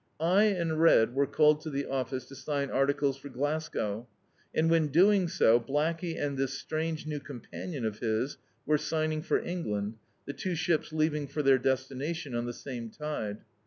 I and Red were called to the office to sign articles for Glasgow, and, when doing so, Blackey and this strange new companion of his were signing for England, the two ships leaving for their destination on the same tide.